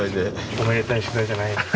おめでたい取材じゃないんですよ。